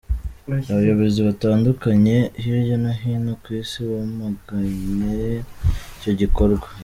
Abayobozi batandandukanye hirya no hino ku Isi bamaganye icyo gikorwa.